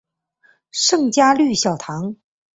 圣嘉禄小堂。